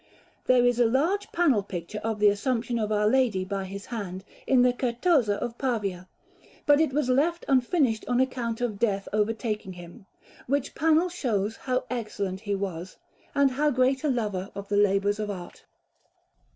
There is a large panel picture of the Assumption of Our Lady, by his hand, in the Certosa of Pavia, but it was left unfinished, on account of death overtaking him; which panel shows how excellent he was, and how great a lover of the labours of art.